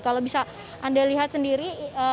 kalau bisa anda lihat sendiri